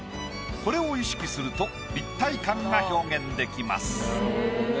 これを意識すると立体感が表現できます。